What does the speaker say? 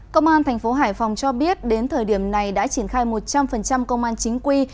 công an thành phố hải phòng cho biết đến thời điểm này đã triển khai một trăm linh công an chính quy